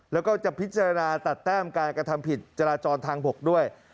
แล้วก็จะพิจารณาตัดแต้มการกระทำผิดจราจรทางบกด้วย